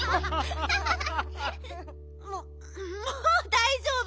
ももうだいじょうぶ。